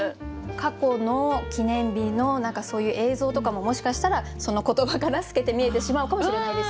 過去の記念日の何かそういう映像とかももしかしたらその言葉から透けて見えてしまうかもしれないですよね。